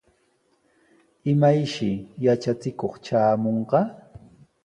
¿Imayshi yatrachikuq traamunqa?